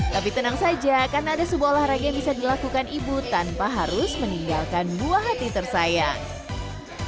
tapi tenang saja karena ada sebuah olahraga yang bisa dilakukan ibu tanpa harus meninggalkan buah hati tersayang